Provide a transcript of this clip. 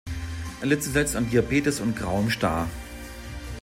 Er litt zuletzt an Diabetes und Grauem Star.